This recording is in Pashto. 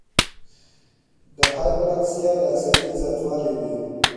د هایپراکسیا د اکسیجن زیاتوالی دی.